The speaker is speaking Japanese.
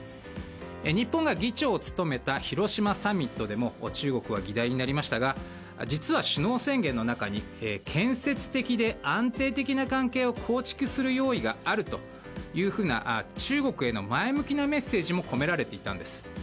日本が議長を務めた広島サミットでも中国は議題になりましたが実は、首脳宣言の中に建設的で安定的な関係を構築する用意があるというふうな中国への前向きなメッセージも込められていたんです。